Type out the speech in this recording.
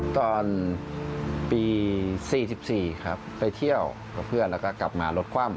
ตอนปี๔๔ครับไปเที่ยวกับเพื่อนแล้วก็กลับมารถคว่ำ